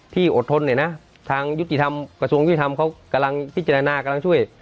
อดทนเนี่ยนะทางยุติธรรมกระทรวงยุติธรรมเขากำลังพิจารณากำลังช่วย